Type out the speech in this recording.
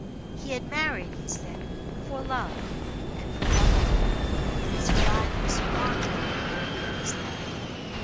"He had married," he said, "for love, and for love only; and his bride was far more than worthy of his love."